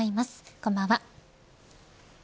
こんばんは。